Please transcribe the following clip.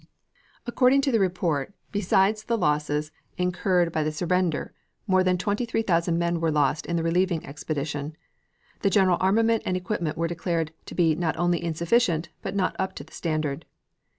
According to the report, beside the losses incurred by the surrender more than twenty three thousand men were lost in the relieving expedition. The general armament and equipment were declared to be not only insufficient, but not up to the standard.